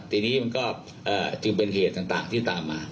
ทีนี้เป็นเหตุต่างที่ตามมา